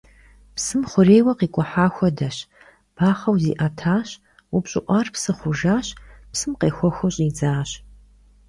Псым хъурейуэ къикӀухьа хуэдэщ: бахъэу зиӀэтащ, упщӀыӀуар псы хъужащ, псым къехуэхыу щӀидзащ.